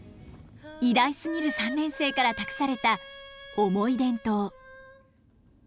偉大すぎる３年生から託された重い伝統。